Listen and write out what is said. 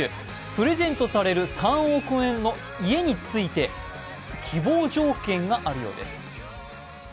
プレゼントされる３億円の家について希望条件があるようです。